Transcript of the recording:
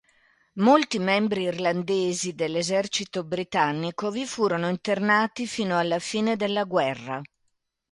Molti membri irlandesi dell'esercito britannico vi furono internati fino alla fine della guerra.